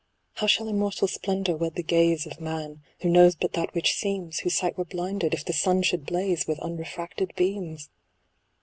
How shall immortal splendour wed the gaze Of man, who knows but that which seems, Whose sight were blinded, if the sun should blaze With unrefracted beams